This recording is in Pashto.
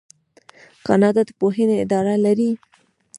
کاناډا د پوهنې اداره لري.